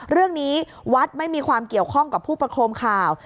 เรื่องนี้วัดไม่มีความเกี่ยวข้องกับผู้ประคมข่าว